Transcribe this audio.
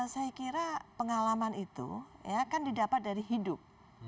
saya kira pengalaman itu kan didapat dari hidup